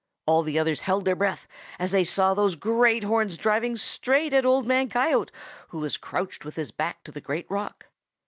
All the others held their breath as they saw those great horns driving straight at Old Man Coyote, who was crouched with his back to the great rock.